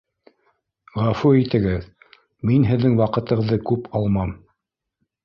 — Ғәфү итегеҙ, мин һеҙҙең ваҡытығыҙҙы күп алмам